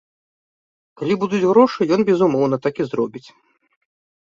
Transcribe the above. Калі будуць грошы, ён, безумоўна, так і зробіць.